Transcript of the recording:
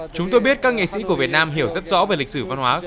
chúng tôi biết các nghệ sĩ của việt nam hiểu rất rõ